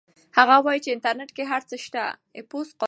هغه وایي چې انټرنیټ کې هر څه شته.